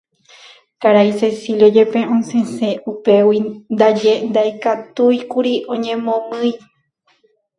Karai Cecilio jepe osẽse upégui ndaje ndaikatúikuri oñemomýi.